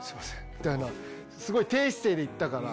みたいなすごい低姿勢でいったから。